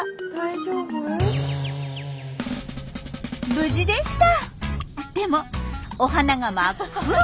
無事でした！